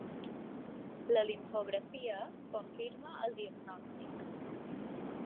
La limfografia confirma el diagnòstic.